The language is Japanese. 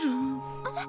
えっ？